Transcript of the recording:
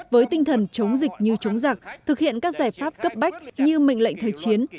với tinh thần chống dịch như chống giặc thực hiện các giải pháp cấp bách như mệnh lệnh thời chiến